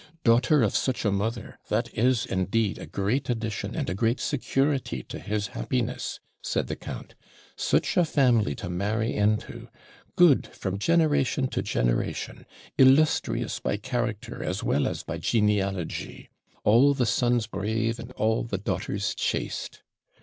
'Daughter of such a mother! That is indeed a great addition and a great security to his happiness,' said the count. 'Such a family to marry into; good from generation to generation; illustrious by character as well as by genealogy; "all the sons brave, and all the daughters chaste."'